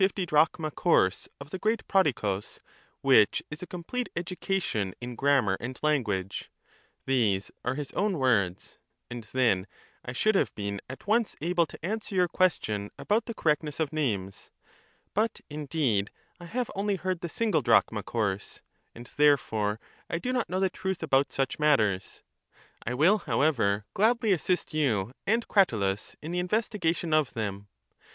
But how, rejoins Socrates, grammar and language — these are his own words — and then I should have been at once able to answer your question about the correctness of names. But, indeed, I have only heard the single drachma course, and therefore, I do not know the truth about such matters ; I will, however, gladly assist you and Cratylus in the investigation of them.